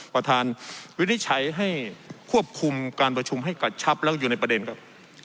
วินิจฉัยให้ควบคุมการประชุมให้กระชับแล้วอยู่ในประเด็นครับ